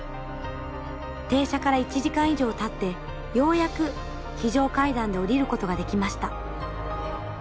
停車から１時間以上たってようやく非常階段で降りることができました。